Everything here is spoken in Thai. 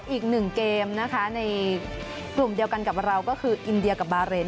อีก๑เกมนำอื่นการคลุมดีใดกันกับเราก็คืออินเดียกับบาเรน